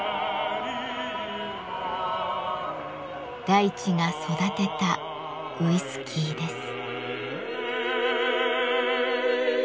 大地が育てたウイスキーです。